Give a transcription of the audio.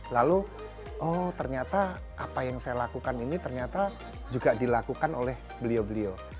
lalu oh ternyata apa yang saya lakukan ini ternyata juga dilakukan oleh beliau beliau